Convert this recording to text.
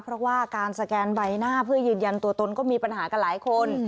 เพราะว่าการสแกนใบหน้าเพื่อยืนยันตัวตนก็มีปัญหากับหลายคน